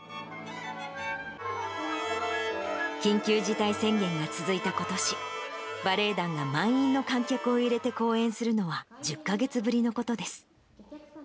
緊急事態宣言が続いたことし、バレエ団が満員の観客を入れて公演するのは１０か月ぶりのことです。